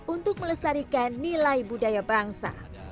untuk melestarikan nilai budaya bangsa